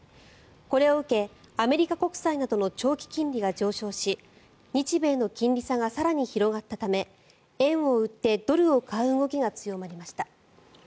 これを受け、アメリカ国債などの長期金利が上昇し日米の金利差が更に広がったため円を売ってドルを買う動きが強まりました。